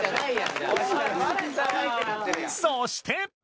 ・そして！